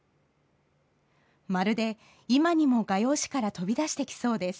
まるで今にも画用紙から飛び出してきそうです。